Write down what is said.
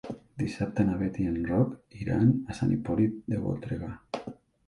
Dissabte na Bet i en Roc iran a Sant Hipòlit de Voltregà.